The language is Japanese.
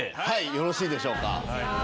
よろしいでしょうか。